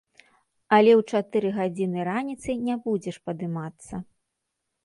Але ў чатыры гадзіны раніцы не будзеш падымацца!